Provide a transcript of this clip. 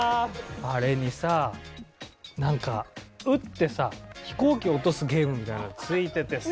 あれにさなんか撃ってさ飛行機落とすゲームみたいなの付いててさ。